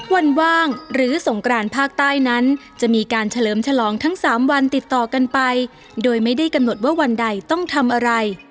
ว่างหรือสงกรานภาคใต้นั้นจะมีการเฉลิมฉลองทั้ง๓วันติดต่อกันไปโดยไม่ได้กำหนดว่าวันใดต้องทำอะไร